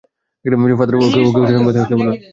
Father, ওকে উৎস পর্যন্ত থাকতে বলুন।